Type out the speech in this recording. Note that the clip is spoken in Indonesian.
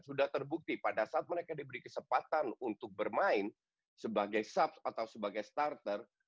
sudah terbukti pada saat mereka diberi kesempatan untuk bermain sebagai subs atau sebagai starter